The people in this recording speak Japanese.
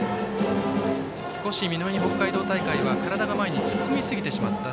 少し南北海道大会は体が前に突っ込みすぎてしまった。